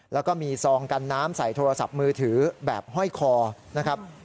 แล้วก็มีซองกันน้ำใส่โทรศัพท์มือถือแบบห้อยคอนะครับ